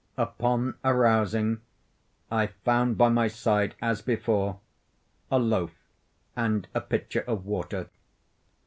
Upon arousing, I found by my side, as before, a loaf and a pitcher of water.